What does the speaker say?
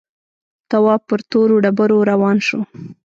تواب پر تورو ډبرو روان شو.